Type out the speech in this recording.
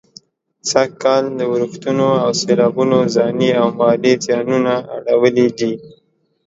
سږ کال ورښتونو او سېلابونو ځاني او مالي زيانونه اړولي دي.